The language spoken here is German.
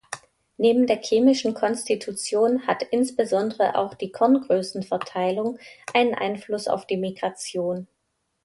Neben der chemischen Konstitution hat insbesondere auch die Korngrößenverteilung einen Einfluss auf die Migration.